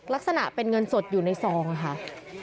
ลักษณะเป็นเงินสดอยู่ในซองค่ะ